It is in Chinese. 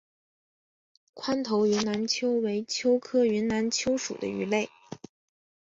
宽头云南鳅为鳅科云南鳅属的鱼类。